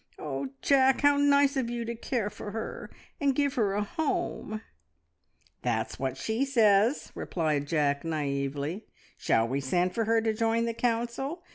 Oh, Jack, how nice of you to care for her, and give her a home!" "That's what she says!" replied Jack naively. "Shall we send for her to join the council?